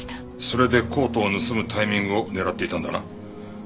それでコートを盗むタイミングを狙っていたんだな？